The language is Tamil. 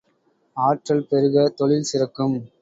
ஆற்றல் பெருக, தொழில் சிறக்கும்.